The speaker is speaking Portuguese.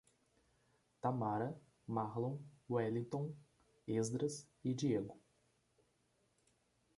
Tamara, Marlon, Welligton, Esdras e Diego